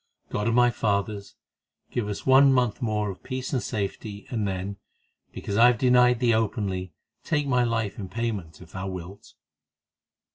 God of my fathers, give us one month more of peace and safety, and then, because I have denied Thee openly, take my life in payment if Thou wilt."